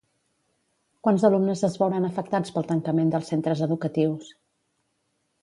Quants alumnes es veuran afectats pel tancament dels centres educatius?